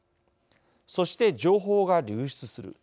そして情報が流出する。